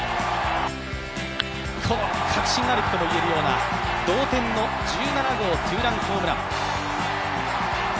この確信歩きともいえるような、同点の１７号ツーランホームラン。